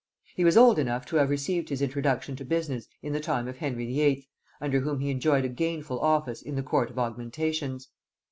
He was old enough to have received his introduction to business in the time of Henry VIII., under whom he enjoyed a gainful office in the court of augmentations.